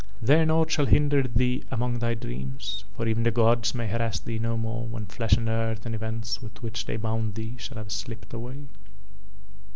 "There nought shall hinder thee among thy dreams, for even the gods may harass thee no more when flesh and earth and events with which They bound thee shall have slipped away."